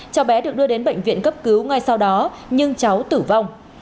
cháu bé được đưa đến bệnh viện cấp cứu ngay sau đó nhưng cháu tử vong